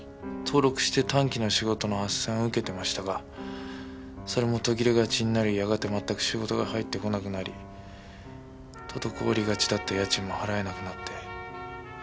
登録して短期の仕事のあっせんを受けてましたがそれも途切れがちになりやがてまったく仕事が入ってこなくなり滞りがちだった家賃も払えなくなって。